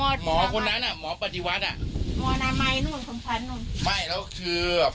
แหมหมอคนนั้นนะหมอปฏิวัติน่ะไม่แล้วคือ